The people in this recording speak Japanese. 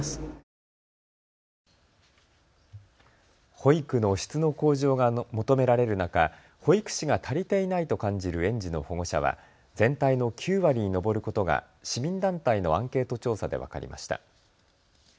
保育の質の向上が求められる中、保育士が足りていないと感じる園児の保護者は全体の９割に上ることが市民団体のアンケート調査で分かりました。